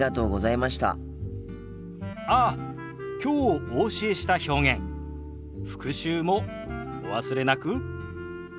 ああきょうお教えした表現復習もお忘れなく。